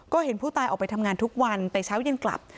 ก็เห็นผู้ตายออกไปทำงานทุกวันแต่เช้าเย็นกลับ